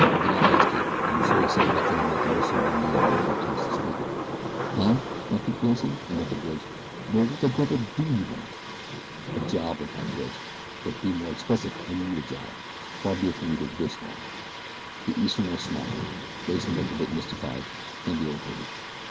You did not ask him, and I am sure that he said nothing about wishing a meal or a place to sleep." "Huh?" grunted Grayson, and then to Bridge, "Well, what the devil DO you want?" "A job," replied Bridge, "or, to be more explicit, I need a job far be it from me to WISH one." The Easterner smiled. Grayson looked a bit mystified and irritated.